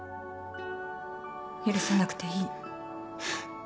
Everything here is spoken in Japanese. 許さなくていい。